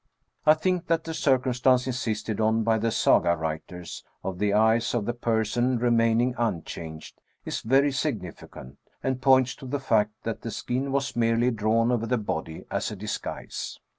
I think that the circumstance insisted on by the Saga writers, of the eyes of the person remaining un changed, is very significant, and points to the fact that the skin was merely drawn over the body as a disguise.